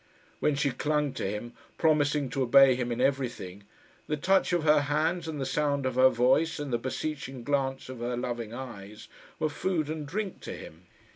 When she clung to him, promising to obey him in everything, the touch of her hands, and the sound of her voice, and the beseeching glance of her loving eyes, were food and drink to him.